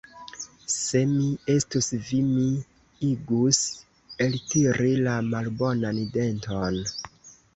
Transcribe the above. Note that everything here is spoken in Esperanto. Se mi estus vi, mi igus eltiri la malbonan denton.